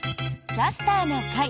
「キャスターな会」。